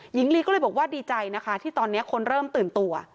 หญิงลีก็เลยบอกว่าดีใจนะคะที่ตอนนี้คนเริ่มตื่นตัว